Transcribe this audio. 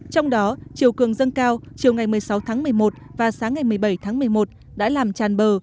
trong đó chiều cường dâng cao chiều ngày một mươi sáu tháng một mươi một và sáng ngày một mươi bảy tháng một mươi một đã làm tràn bờ